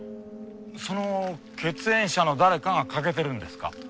その血縁者の誰かが欠けてるんですか？